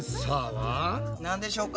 なんでしょうか？